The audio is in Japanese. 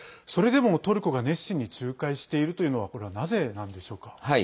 それでもトルコが熱心に仲介しているというのはこれは、なぜなんでしょうか？